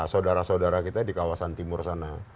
saudara saudara kita di kawasan timur sana